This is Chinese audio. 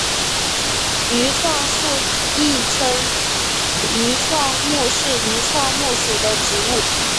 愈创树亦称愈创木是愈创木属的植物。